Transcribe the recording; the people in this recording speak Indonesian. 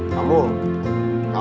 keuntungan saya apa